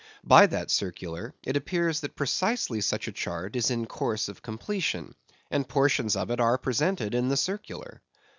By that circular, it appears that precisely such a chart is in course of completion; and portions of it are presented in the circular.